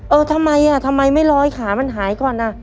เออทำไมอ่ะทำไมทำไมไม่ลอยขามันหายก่อนอ่ะ